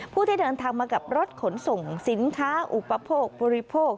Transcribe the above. ผู้ที่เดินทางมากับรถขนส่งสินค้าอุปโภคบริโภค